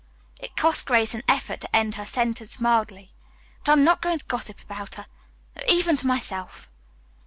It cost Grace an effort to end her sentence mildly. "But I'm not going to gossip about her, even to myself."